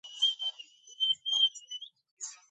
ჩრდილოეთ საფრანგეთს განაგებდა ინგლისური ლანკასტერის სახლი.